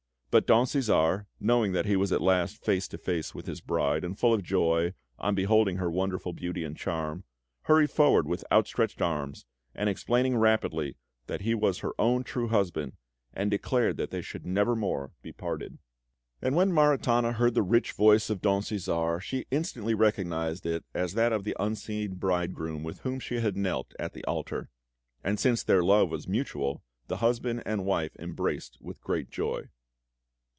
But Don Cæsar, knowing that he was at last face to face with his bride, and full of joy on beholding her wonderful beauty and charm, hurried forward with outstretched arms, and explaining rapidly that he was her own true husband, he declared that they should never more be parted. And when Maritana heard the rich voice of Don Cæsar she instantly recognised it as that of the unseen bridegroom with whom she had knelt at the altar; and since their love was mutual, the husband and wife embraced with great joy.